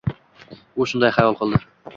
U shunday xayol qildi.